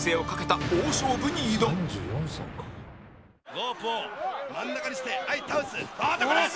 ロープを真ん中にして倒す。